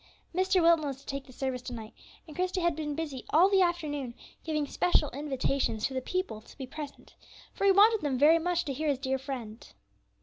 Mr. Wilton was to take the service to night, and Christie had been busy all the afternoon giving special invitations to the people to be present, for he wanted them very much to hear his dear friend.